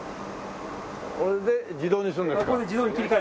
これで自動にするんですか？